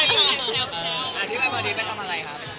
เธอที่แบบวันดีแปลการ์มอะไรครับ